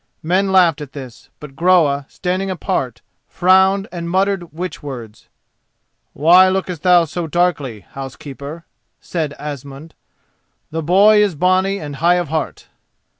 Men laughed at this; but Groa, standing apart, frowned and muttered witch words. "Why lookest thou so darkly, housekeeper?" said Asmund; "the boy is bonny and high of heart."